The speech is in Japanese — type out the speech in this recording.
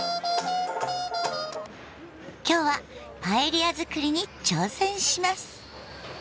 今日はパエリア作りに挑戦します。